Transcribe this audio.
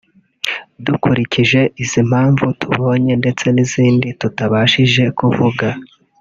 Dukurikije izi mpamvu tubonye ndetse n’izindi tutabashije kuvuga